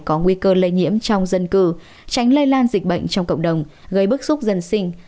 có nguy cơ lây nhiễm trong dân cư tránh lây lan dịch bệnh trong cộng đồng gây bức xúc dân sinh